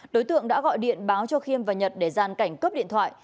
đối tượng đã gọi điện báo cho khiêm và nhật để gian cảnh cướp điện thoại